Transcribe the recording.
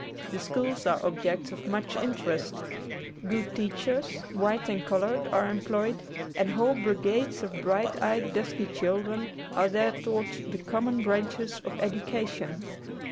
The schools are objects of much interest. Good teachers, white and colored, are employed, and whole brigades of bright eyed dusky children are there taught the common branches of education.